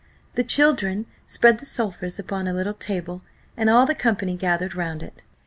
The children spread the sulphurs upon a little table, and all the company gathered round it.